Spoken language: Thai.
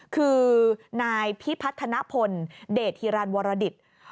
คือนายพิพัฒนพลเดตธิรารณวรดิษฐ์